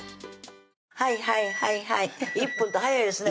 はいはいはいはい１分って早いですね